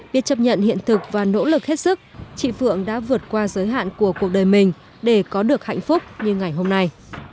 biết chấp nhận hiện thực và nỗ lực hết sức chị phượng đã vượt qua giới hạn của cuộc đời mình để có được hạnh phúc như ngày hôm nay